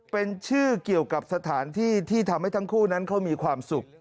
เป็นชื่อเกี่ยวกับสถานที่ที่ทำให้ทั้งคู่นั้นเขามีความสุข